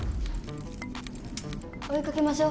おいかけましょう！